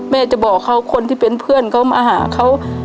แม่จะบอกเขาคนที่เป็นเพื่อนเขามาหาเขา